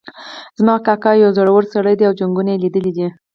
زما کاکا یو زړور سړی ده او جنګونه یې لیدلي دي